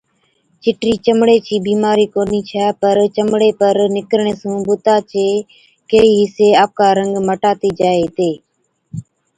چِٽرِي چمڙي چِي بِيمارِي ڪونهِي ڇَي پَر چمڙِي پر نِڪرڻي سُون بُتا چي ڪهِين حِصي آپڪا رنگ مٽاتِي جائي هِتي۔